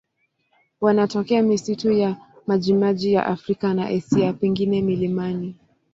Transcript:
Wanatokea misitu ya majimaji ya Afrika na Asia, pengine milimani.